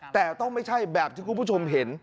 แต่ต้องไม่ใช่แบบที่คุณผู้ชมเห็น